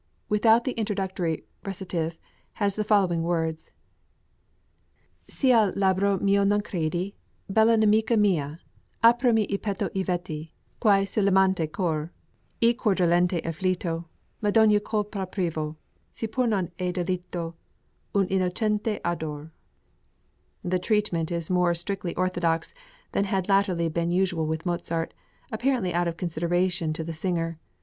without the introductory recitative, has the following words: Se al labro mio non credi, Bella nemica mia, Aprimi il petto e vedi, Quai sia 1' amante cor; Il cor dolente e afflito Ma d' ogni colpa privo, Se pur non è delitto Un innocente ardor. The treatment is more strictly orthodox than had latterly been usual with Mozart, apparently out of consideration to the singer.